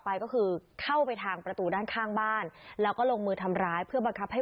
ไปก็คือเข้าไปทางประตูด้านข้างบ้านแล้วก็ลงมือทำร้ายเพื่อบังคับให้